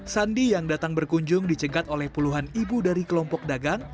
sandi yang datang berkunjung dicengkat oleh puluhan ibu dari kelompok dagang